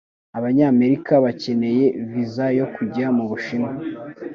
Abanyamerika bakeneye viza yo kujya mu Bushinwa.